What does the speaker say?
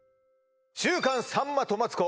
「週刊さんまとマツコ」